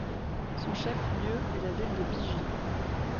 Son chef-lieu est la ville de Bijie.